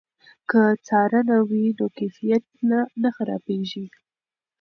که څارنه وي نو کیفیت نه خرابېږي.